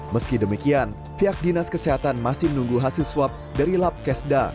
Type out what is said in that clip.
meski demikian pihak dinas kesehatan masih menunggu hasil swab dari lab kesda